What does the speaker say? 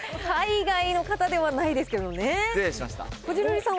海外の方ではないですけどね失礼しました。